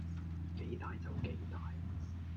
幾歹就幾歹